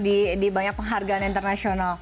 di banyak penghargaan internasional